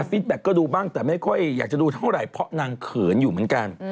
แกก็ดูบ้างแต่ไม่ค่อยอยากจะดูเท่าไหร่เพราะนางเขินอยู่เหมือนกัน